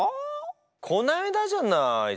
こないだじゃない。